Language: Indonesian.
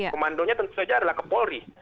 komandonya tentu saja adalah kapolri